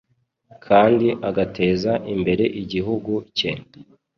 kandi agateza imbere igihugu ke.